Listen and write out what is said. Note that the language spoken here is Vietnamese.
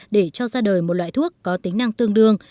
để cho ra đời một loại thuốc có tính năng tương đương